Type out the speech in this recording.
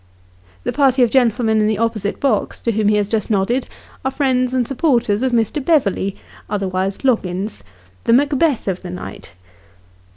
The party of gentle men in the opposite box, to whom he has just nodded, are friends and supporters of Mr. Beverley (otherwise Loggins), the Macbeth of the night.